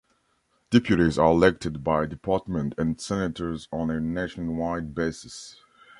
Deputies are elected by department and Senators on a nationwide basis.